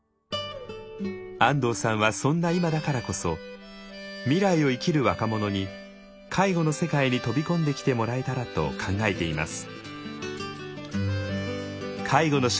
安藤さんはそんな今だからこそ未来を生きる若者に介護の世界に飛び込んできてもらえたらと考えています。